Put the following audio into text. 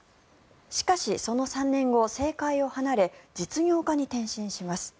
しかし、その３年後政界を離れ実業家に転身します。